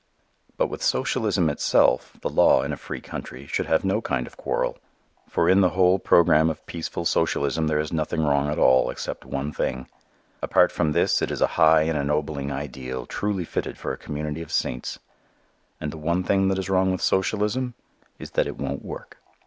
But with socialism itself the law, in a free country, should have no kind of quarrel. For in the whole program of peaceful socialism there is nothing wrong at all except one thing. Apart from this it is a high and ennobling ideal truly fitted for a community of saints. And the one thing that is wrong with socialism is that it won't work.